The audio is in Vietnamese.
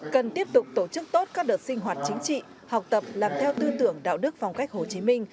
cần tiếp tục tổ chức tốt các đợt sinh hoạt chính trị học tập làm theo tư tưởng đạo đức phong cách hồ chí minh